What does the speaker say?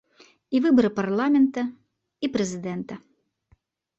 І выбары парламента, і прэзідэнта.